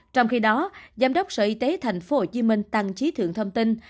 trong khi đó giám đốc sở y tế tp hcm tăng trí thượng thông tin